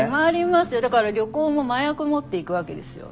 だから旅行も麻薬持って行くわけですよ。